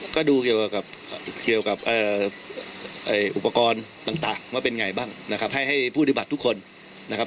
ก็ดูเกี่ยวกับเกี่ยวกับอุปกรณ์ต่างว่าเป็นไงบ้างนะครับให้ผู้ที่บัตรทุกคนนะครับ